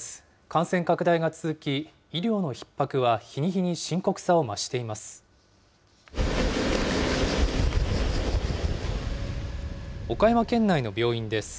感染拡大が続き、医療のひっ迫は日に日に深刻さを増しています。